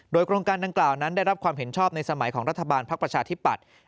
โดยโครงการดังกล่าวนั้นได้รับความเห็นชอบในสมัยของรัฐบาลภักดิ์ประชาธิปัตย์